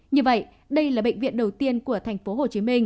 như vậy đây là bệnh viện đầu tiên của tp hcm